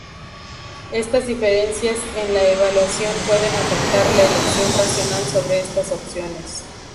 Estas diferencias en la evaluación pueden afectar la elección racional sobre estas opciones.